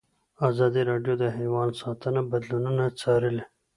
ازادي راډیو د حیوان ساتنه بدلونونه څارلي.